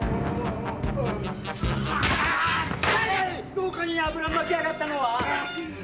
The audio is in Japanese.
廊下に油を撒きやがったのは！